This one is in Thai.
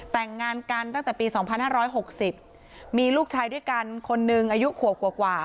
แต่งงานกันตั้งแต่ปี๒๕๖๐มีลูกชายด้วยกันคนหนึ่งอายุขวบกว่า